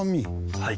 はい。